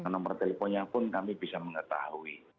nomor teleponnya pun kami bisa mengetahui